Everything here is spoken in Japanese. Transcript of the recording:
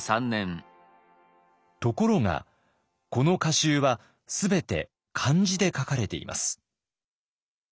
ところがこの歌集は全て漢字で書かれています。